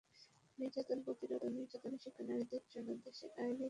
নির্যাতন প্রতিরোধ এবং নির্যাতনের শিকার নারীদের জন্য দেশে আইনের কমতি নেই।